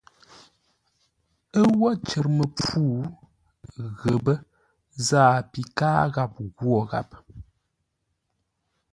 Ə́ wó cər məpfû, ghəpə́ záa pi káa gháp ghwó gháp.